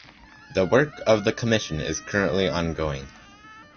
The work of the commission is currently ongoing.